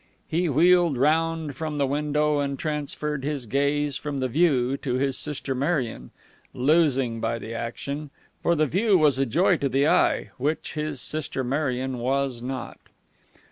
He wheeled round from the window, and transferred his gaze from the view to his sister Marion; losing by the action, for the view was a joy to the eye, which his sister Marion was not.